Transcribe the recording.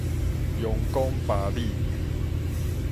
陽光峇里